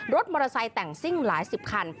รถมอเตอร์ไซค์แต่งซิ่งหลายสิบคัน